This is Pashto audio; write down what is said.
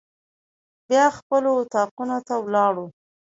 بیا خپلو اطاقونو ته ولاړو.